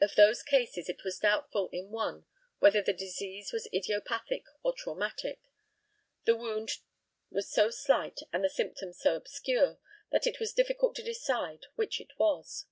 Of those cases it was doubtful in one whether the disease was idiopathic or traumatic the wound was so slight and the symptoms so obscure, that it was difficult to decide which it was.